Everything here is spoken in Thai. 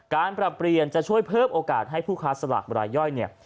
ปรับเปลี่ยนจะช่วยเพิ่มโอกาสให้ผู้ค้าสลากรายย่อยเนี่ย